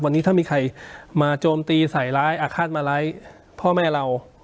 วันนี้ถ้ามีใครมาโจมตีใส่ร้ายอาฆาตมาร้ายพ่อแม่เรา